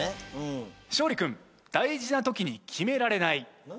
勝利君「大事なときに決められない」